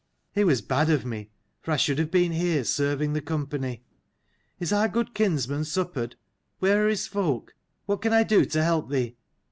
It was bad of me, for I should have been here serving the company. Is our good kinsman suppered? Where are his folk? What can I do to help thee?"